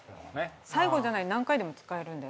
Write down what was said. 最後じゃない何回でも使えるんだよ？